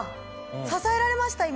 支えられました今。